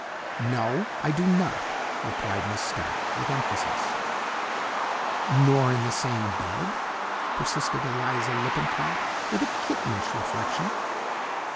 "No, I do not," replied Miss stark with emphasis. "Nor in the same bed?" persisted Eliza Lippincott with a kittenish reflection.